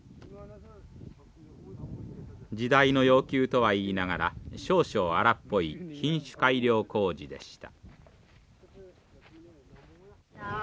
時代の要求とはいいながら少々荒っぽい品種改良工事でした。